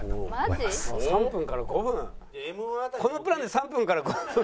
このプランで３分から５分？